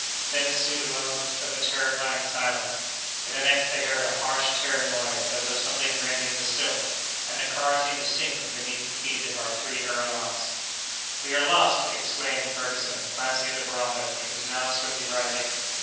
Then ensued a moment of terrifying silence. In the next they heard a harsh tearing noise, as of something rending the silk, and the car seemed to sink from beneath the feet of our three aëronauts. "We are lost!" exclaimed Ferguson, glancing at the barometer, which was now swiftly rising.